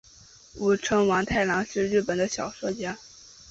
舞城王太郎是日本的小说家。